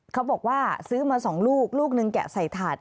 เขาบอกว่าซื้อมา๒ลูกลูกหนึ่งแกะใส่ถาด